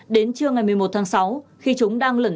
đến trưa ngày một mươi một tháng sáu khi chúng đang lẩn